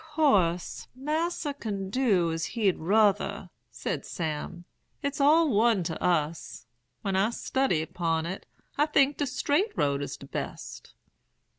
"'Course, Mas'r can do as he'd ruther,' said Sam. 'It's all one to us. When I study 'pon it, I think de straight road is de best.'